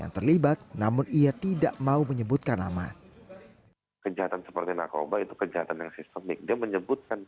terlibat namun ia tidak mau menyebutkan nama